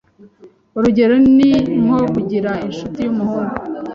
Urugero ni nko kugira inshuti y’umuhungu.